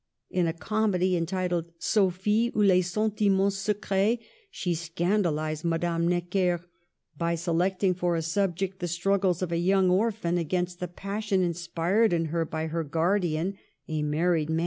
In a comedy entitled Sophie, ou les Sentiments Secrets, she scandalized Madame Necker, by selecting for a subject the struggles of a young orphan against the passion inspired in her by her guardian, a married man.